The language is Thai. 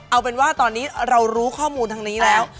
เอาเป็นว่าตอนนี้เรารู้ข้อมูลทางนี้แล้ว